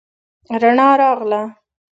رڼا راغله.